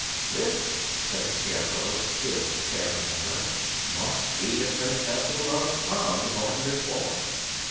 "This," said the Scarecrow, still staring at her, "must be the Princess who loves Pon, the gardener's boy."